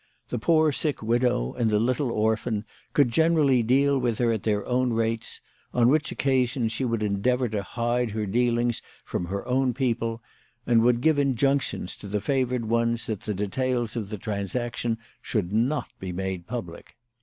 The poor sick widow and the little orphan could generally deal with her at their own rates ; on which occasions she would endeavour to hide her dealings from her own people, and would give in junctions to the favoured ones that the details of the transaction should not be made public.